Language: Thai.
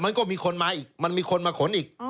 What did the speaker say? มันก็มีคนมาอีกมันมีคนมาขนอีก